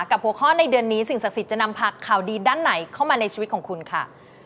หัวข้อในเดือนนี้สิ่งศักดิ์สิทธิ์จะนำผักข่าวดีด้านไหนเข้ามาในชีวิตของคุณค่ะ